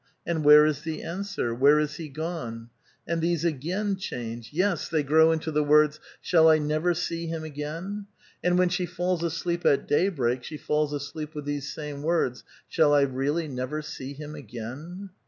and where is the answer? Where is he gone ? And these again change, 3'es, they grew into the words, " Shall I never see him again?" And when she falls asleep at daybreak she falls asleep with these same words, *' Shall I really never see him again?"